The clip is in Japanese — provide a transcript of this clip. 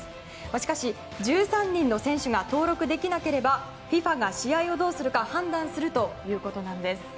しかし、１３人の選手が登録できなければＦＩＦＡが試合をどうするか判断するということです。